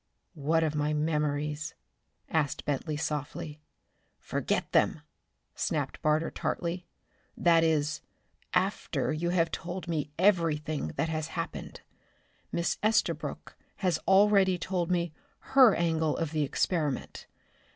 "What of my memories?" asked Bentley softly. "Forget them!" snapped Barter tartly. "That is, after you have told me everything that has happened. Miss Estabrook has already told me her angle of the experiment.